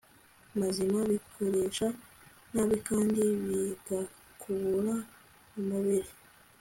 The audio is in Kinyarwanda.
mazima bikoresha nabi kandi bigakabura umubiri